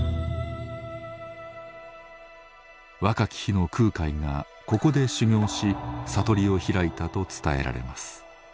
若き日の空海がここで修行し悟りを開いたと伝えられます。